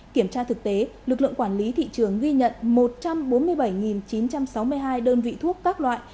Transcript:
kiểm tra thực tế lực lượng quản lý thị trường ghi nhận một trăm bốn mươi bảy chín trăm sáu mươi hai đơn vị thuốc các loại